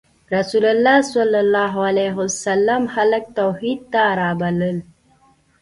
رسول الله ﷺ خلک توحید ته رابلل.